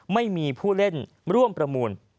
ไม่มีผู้เล่นร่วมประมูล